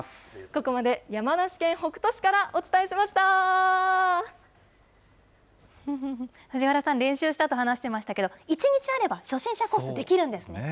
ここまで山梨県北杜市からお藤原さん、練習したと話してましたけど、１日あれば初心者コースできるんですね。